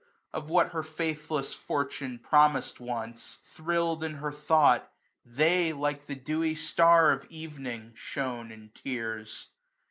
Of what her faithless fortune ppomisM once, Thriird in her thought, they, like the dewy star 200 Of evening, shone in tears.